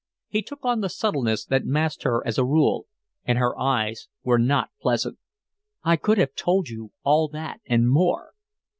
She took on the subtleness that masked her as a rule, and her eyes were not pleasant. "I could have told you all that and more."